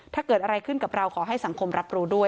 ถ้าเกิดอะไรขึ้นกับเราขอให้สังคมรับรู้ด้วย